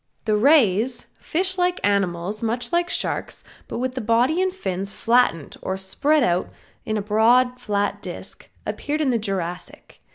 The rays, fish like animals much like Sharks, but with the body and fins flattened or spread out in a broad flat disc, appeared in the Jurassic.